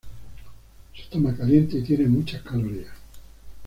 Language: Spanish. Se toma caliente y tiene muchas calorías.